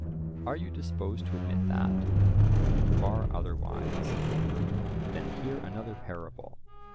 Are you disposed to admit that? "Far otherwise." Then hear another parable.